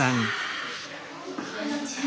こんにちは。